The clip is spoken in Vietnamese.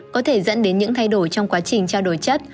có thể dẫn đến những thay đổi trong quá trình trao đổi chất